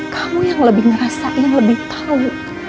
kamu yang lebih ngerasain lebih tahu